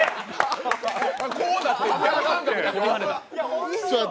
こうなって。